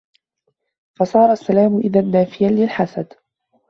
فَصَارَ السَّلَامُ إذًا نَافِيًا لِلْحَسَدِ